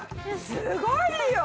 すごいよ。